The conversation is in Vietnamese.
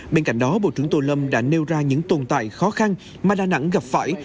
bên cạnh đó bộ trưởng tô lâm đã nêu ra những tồn tại khó khăn mà đà nẵng gặp phải